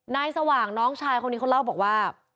สว่างน้องชายคนนี้เขาเล่าบอกว่า